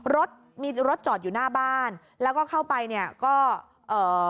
รถมีรถจอดอยู่หน้าบ้านแล้วก็เข้าไปเนี่ยก็เอ่อ